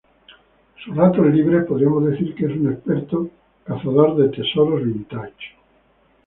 En sus ratos libres podríamos decir que es un experto cazador de tesoros vintage.